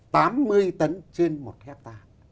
tám mươi tấn trên một hectare